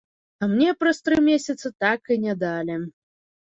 А мне праз тры месяцы так і не далі.